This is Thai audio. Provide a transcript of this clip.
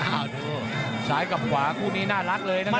มันมีรายการมวยนัดใหญ่อยู่นัด